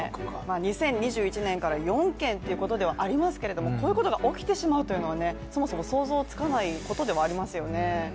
２０２１年から４件ということではありますけれどもこういうことが起きてしまうというのはそもそも想像がつかないことではありますよね